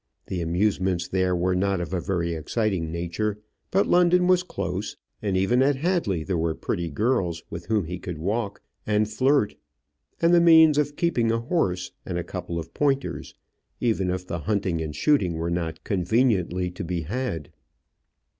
The amusements there were not of a very exciting nature; but London was close, and even at Hadley there were pretty girls with whom he could walk and flirt, and the means of keeping a horse and a couple of pointers, even if the hunting and shooting were not conveniently to be had.